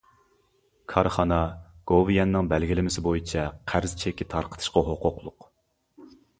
كارخانا گوۋۇيۈەننىڭ بەلگىلىمىسى بويىچە قەرز چېكى تارقىتىشقا ھوقۇقلۇق.